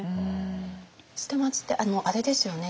捨松ってあれですよね